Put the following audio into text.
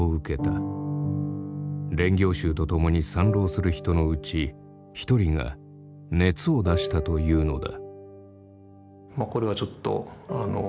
練行衆と共に参籠する人のうち一人が熱を出したというのだ。